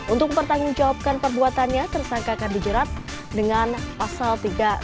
untuk bertanggung jawabkan perbuatannya tersangka akan dijerat dengan pasal tiga ratus enam puluh lima